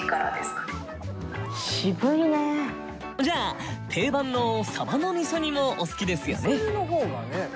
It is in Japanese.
じゃあ定番のサバのみそ煮もお好きですよね？